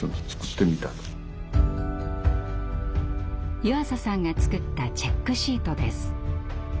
湯浅さんが作ったチェックシートです。